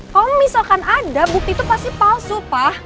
kalau misalkan ada bukti itu pasti palsu pak